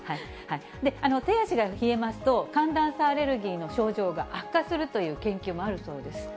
手足が冷えますと、寒暖差アレルギーの症状が悪化するという研究もあるそうです。